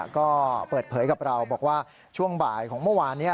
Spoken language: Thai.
ก็เปิดเผยกับเราบอกว่าช่วงบ่ายของเมื่อวานนี้